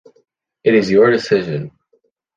It is your decision.